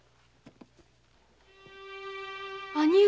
兄上。